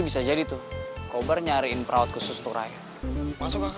papa kok ketawa ketawa doang